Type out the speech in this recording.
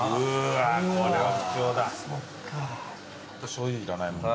しょうゆいらないもん。